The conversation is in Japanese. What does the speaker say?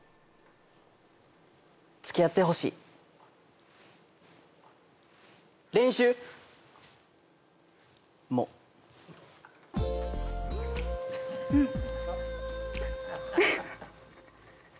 つきあってほしい練習もうんウフッ